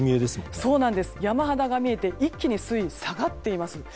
山肌が見えて一気に水位が下がっています。